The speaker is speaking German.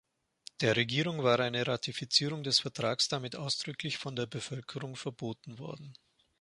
Der Regierung war eine Ratifizierung des Vertrags damit ausdrücklich von der Bevölkerung verboten worden.